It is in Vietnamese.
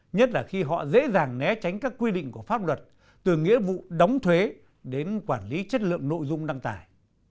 nhất là khi họ dễ dàng né tránh các quy định của pháp luật từ nghĩa vụ đóng thuế đến quản lý chất lượng nội dung đăng tải